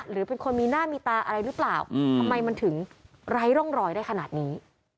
หรือเป็นคนมีหน้ามีตาอะไรหรือเปล่าทำไมมันถึงไร้ร่องรอยได้ขนาดนี้